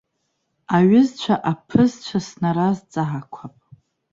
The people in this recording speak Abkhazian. Аҩызцәа-аԥызцәа снаразҵаақәап.